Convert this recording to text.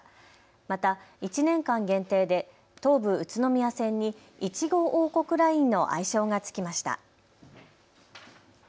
また１年間限定で東武宇都宮線にいちご王国ラインの愛称がつきました。